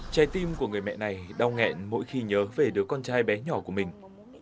trái tim của người mẹ này đau nghẹn mỗi khi nhớ về đứa con trai bé nhỏ của mình